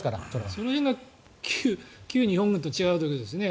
その辺が旧日本軍と違うところですね。